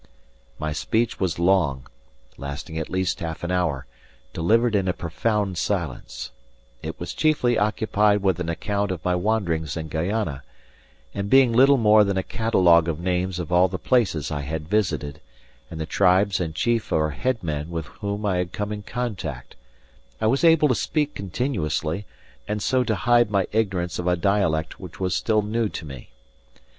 My speech was long, lasting at least half an hour, delivered in a profound silence; it was chiefly occupied with an account of my wanderings in Guayana; and being little more than a catalogue of names of all the places I had visited, and the tribes and chief or head men with whom I had come in contact, I was able to speak continuously, and so to hide my ignorance of a dialect which was still new to me.